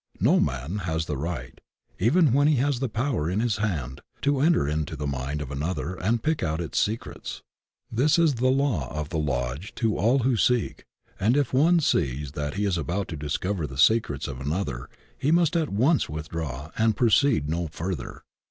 No man has the right, even when he has the power in his hand, to enter into the mind of another and pick out its secrets. This is the law of the Lodge to all who seek, and if one sees that he is about to discover the secrets of another he must at once withdraw and proceed no further.